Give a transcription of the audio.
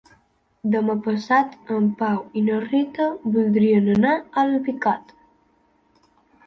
Demà passat en Pau i na Rita voldrien anar a Alpicat.